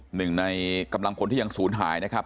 หนึ่งในกำลังพลที่ยังศูนย์หายนะครับ